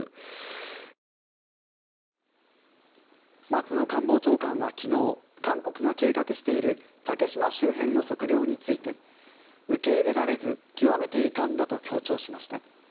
松野官房長官は昨日韓国が計画している竹島周辺の測量について受け入れられず極めて遺憾だと強調しました。